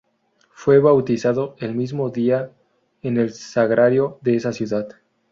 Fue bautizado el mismo día en el Sagrario de esa ciudad.